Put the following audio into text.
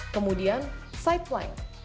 kemudian side plank